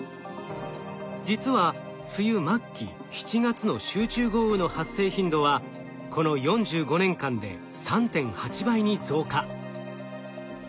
実は梅雨末期７月の集中豪雨の発生頻度はこの４５年間で３．８倍に増加。